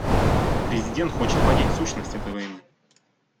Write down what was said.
Президент хочет понять сущность этой войны.